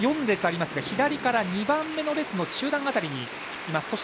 ４列ありますが左から２番目の列の中段辺りにいます。